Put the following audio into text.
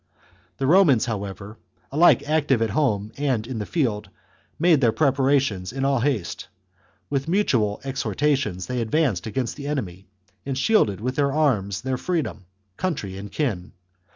The Romans, however, alike active at home and in the field, made their preparations in all haste. With mutual exhorta tions they advanced against the enemy, and shielded with their arms their freedom, country, and kin.